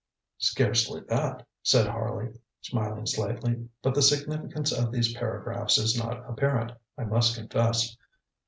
ŌĆ£Scarcely that, ŌĆØ said Harley, smiling slightly, ŌĆ£but the significance of these paragraphs is not apparent, I must confess.